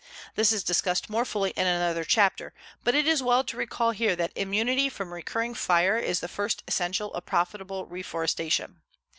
This is discussed more fully in another chapter, but it is well to recall here that immunity from recurring fire is the first essential of profitable reforestation.